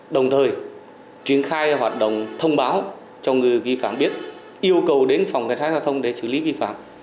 đồng thời triển khai hoạt động thông báo cho người vi phạm biết yêu cầu đến phòng cảnh sát giao thông để xử lý vi phạm